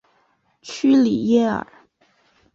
屈里耶尔。